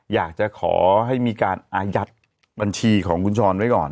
อยากจะขอให้มีการอายัดบัญชีของคุณช้อนไว้ก่อน